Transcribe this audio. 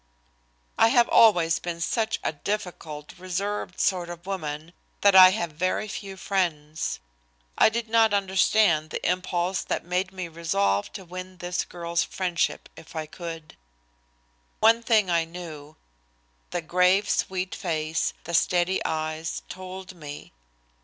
I have always been such a difficult, reserved sort of woman that I have very few friends. I did not understand the impulse that made me resolve to win this girl's friendship if I could. One thing I knew. The grave, sweet face, the steady eyes told me.